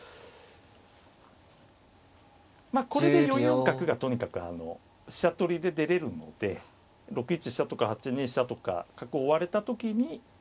まあこれで４四角がとにかく飛車取りで出れるので６一飛車とか８二飛車とか角追われた時にいわゆる逆先というね